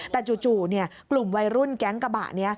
แต่จู่กลุ่มวัยรุ่นแก๊งกระบะนี้